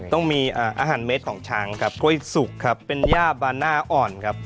ต้องมีอาหารเม็ดของช้างครับกล้วยสุกครับเป็นย่าบาน่าอ่อนครับ